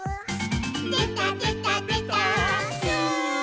「でたでたでたー」ス！